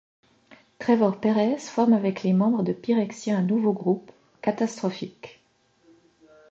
Trevor Peres forme avec les membres de Pyrexia un nouveau groupe, Catastrophic.